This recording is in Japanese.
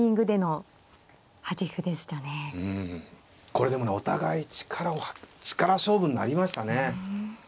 これでもねお互い力勝負になりましたね。